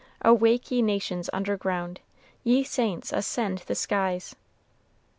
Awake, ye nations under ground! Ye saints, ascend the skies!"